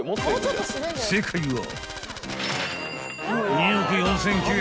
［正解は］